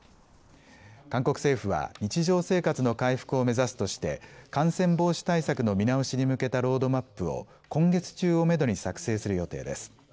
韓国政府は日常生活の回復を目指すとして感染防止対策の見直しに向けたロードマップを今月中をめどに作成する予定です。